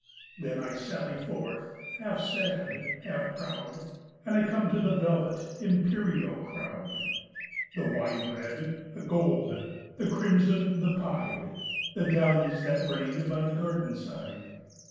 Then, I sally forth, half sad, half proud, And I come to the velvet, imperial crowd, The wine red, the gold, the crimson, the pied,—The dahlias that reign by the garden side.